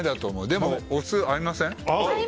でも、お酢合いません？